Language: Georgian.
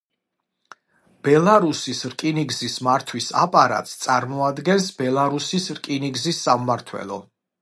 ბელარუსის რკინიგზის მართვის აპარატს წარმოადგენს ბელარუსის რკინიგზის სამმართველო.